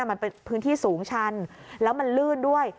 มันเป็นพื้นที่สูงชันแล้วมันลื่นด้วย